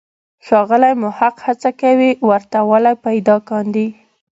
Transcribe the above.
ښاغلی محق هڅه کوي ورته والی پیدا کاندي.